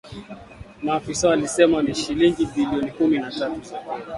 Maafisa walisema ni shilingi bilioni kumi na tatu za Kenya